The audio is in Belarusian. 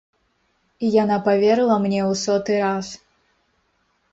І яна паверыла мне ў соты раз.